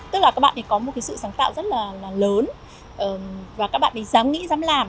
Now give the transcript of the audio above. tức là các bạn có một sự sáng tạo rất là lớn và các bạn dám nghĩ dám làm